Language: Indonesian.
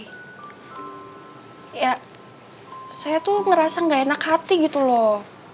ya saya tuh ngerasa gak enak hati gitu loh